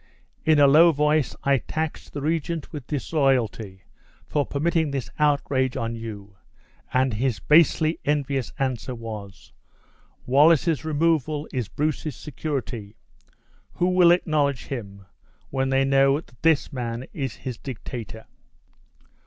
In a low voice, I taxed the regent with disloyalty for permitting this outrage on you, and his basely envious answer was: 'Wallace's removal is Bruce's security; who will acknowledge him when they know that this man is his dictator?'"